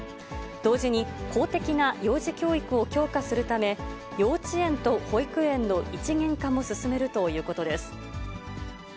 同時に公的な幼児教育を強化するため、幼稚園と保育園の一元化も進めるということです。